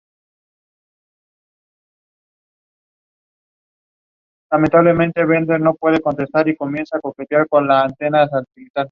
Con este equipo conquista un título de Copa en su primera temporada.